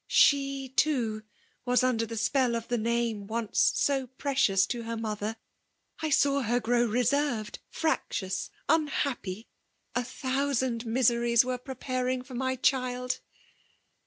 £^, too, was under the spell of that name <micc so precious to h^ mother ! I saw her grow reserved, fiac* tious, unhappy ; a thousand miseries were pre* panng &r my child